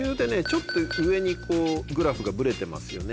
ちょっと上にグラフがブレてますよね。